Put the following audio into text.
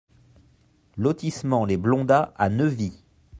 Lotissement Les Blondats à Neuvy